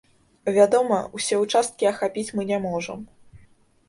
Вядома, усе ўчасткі ахапіць мы не можам.